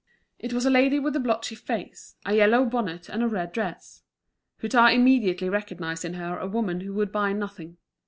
It was a lady with a blotchy face, a yellow bonnet, and a red dress. Hutin immediately recognised in her a woman who would buy nothing.